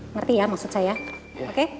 ngerti ya maksud saya oke